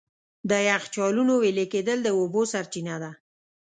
د یخچالونو وېلې کېدل د اوبو سرچینه ده.